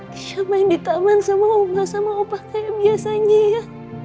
gisha main di taman sama opa kayak biasanya ya